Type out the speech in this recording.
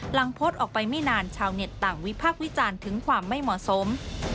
หลังโพสต์ออกไปไม่นานชาวเน็ตต่างวิพากษ์วิจารณ์ถึงความไม่เหมาะสม